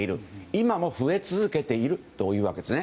今も増え続けているわけです。